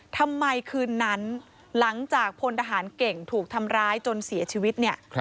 ทำไมคืนนั้นหลังจากพลทหารเก่งถูกทำร้ายจนเสียชีวิตเนี่ย